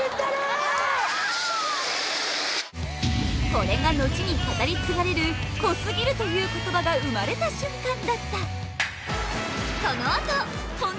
これが後に語り継がれる「小杉る」という言葉が生まれた瞬間だった